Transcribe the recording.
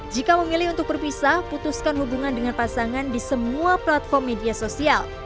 jika memilih untuk berpisah putuskan hubungan dengan pasangan di semua platform media sosial